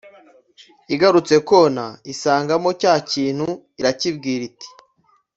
igarutse kona isangamo cya kintu irakibwira iti: “